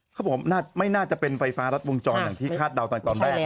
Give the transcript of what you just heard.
ครับผมน่าไม่น่าจะเป็นไฟฟ้ารัดวงจรอย่างที่คาดเดาตอนตอนแรกนะฮะ